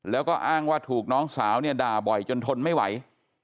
แล้วก็อ้างว่าถูกน้องสาวเนี่ยด่าบ่อยจนทนไม่ไหว